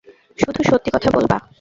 শুধু সত্যি কথা বলবা।